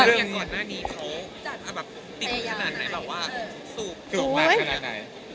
อย่างก่อนหน้านี้เขาติดขนาดไหนสูบเยอะมากขนาดไหน